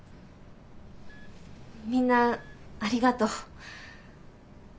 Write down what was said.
みんなありがとう。